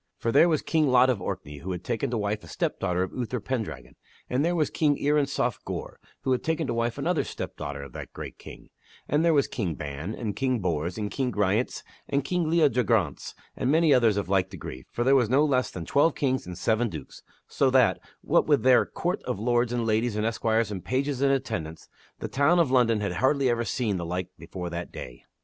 For there was King Lot of Orkney, who had taken to wife a step daughter of Uther Pendragon, and there was King Uriensof Gore, who had taken to wife another step daughter of that great king, and there was King Ban, and King Bors, and King Ryance, and King Leodegrance and many others of like degree, for there were no less than twelve kings and seven dukes, so that, what with their court of lords and ladies and esquires and pages in attendance, the town of London had hardly ever seen the like before that day.